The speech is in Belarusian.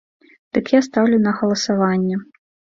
Дык я стаўлю на галасаванне.